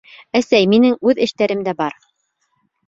Әсәй, минең үҙ эштәрем дә бар.